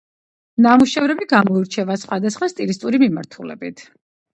ნამუშევრები გამოირჩევა სხვადასხვა სტილისტური მიმართულებებით.